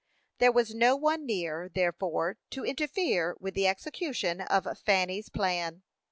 There was no one near, therefore, to interfere with the execution of Fanny's plan.